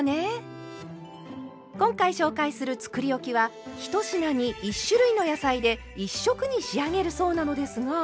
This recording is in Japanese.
今回紹介するつくりおきは１品に１種類の野菜で１色に仕上げるそうなのですが。